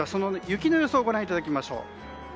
雪の予想をご覧いただきましょう。